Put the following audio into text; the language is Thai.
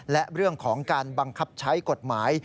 และเรื่องของการบังคับใช้กฎหมาย